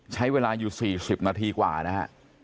ใช้เวลาอยู่๔๐นาทีกว่านะฮะ